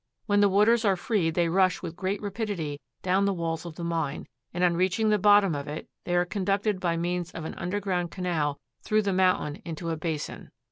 When the waters are freed they rush with great rapidity down the walls of the mine, and on reaching the bottom of it they are conducted by means of an underground canal through the mountain into a basin.